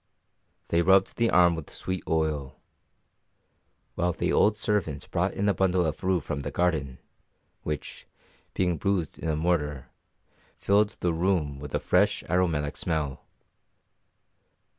They rubbed the arm with sweet oil; while the old servant brought in a bundle of rue from the garden, which, being bruised in a mortar, filled the room with a fresh, aromatic smell.